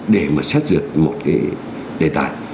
để mà xét dược một cái đề tài